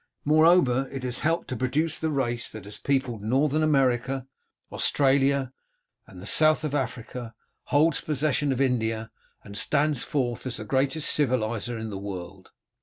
Moreover, it has helped to produce the race that has peopled Northern America, Australia, and the south of Africa, holds possession of India, and stands forth as the greatest civilizer in the world.